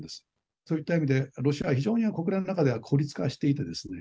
そういった意味でロシアは非常に国連の中では孤立化していてですね